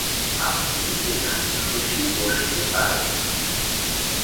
আপনি যেখানে খুশি বসতে পারেন।